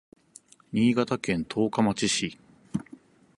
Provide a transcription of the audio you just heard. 新潟県十日町市